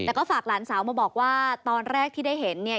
แต่ก็ฝากหลานสาวมาบอกว่าตอนแรกที่ได้เห็นเนี่ย